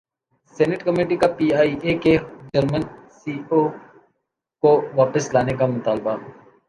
senate committee کا P I A کے German C E O کو واپس لانے کا مطالبہ